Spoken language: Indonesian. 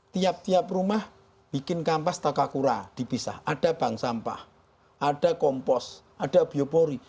tiap tiap rumah bikin kampas takakura dipisah ada bank sampah ada kompos ada biopori